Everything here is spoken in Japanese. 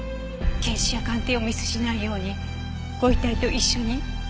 検視や鑑定をミスしないようにご遺体と一緒に。